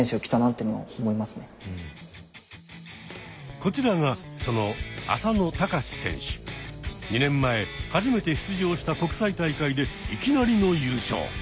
こちらがその２年前初めて出場した国際大会でいきなりの優勝。